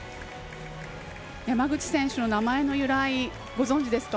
山口選手の名前の由来ご存じですか？